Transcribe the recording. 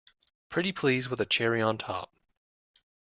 Pretty please with a cherry on top!